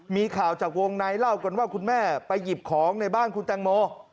มีข่าวจากวงในเล่ากันว่าคุณแม่ไปหยิบของในบ้านคุณแตงโม